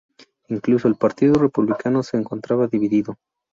Incluso el "partido republicano" se encontraba dividido.